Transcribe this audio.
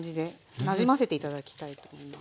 なじませて頂きたいと思います。